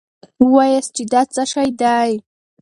وواياست چې دا څه شی دی.